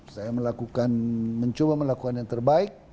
saya melakukan mencoba melakukan yang terbaik